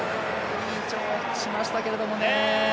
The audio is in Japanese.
いい跳躍しましたけれどもね。